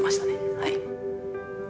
はい。